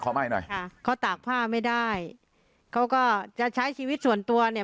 ไหม้หน่อยค่ะเขาตากผ้าไม่ได้เขาก็จะใช้ชีวิตส่วนตัวเนี่ย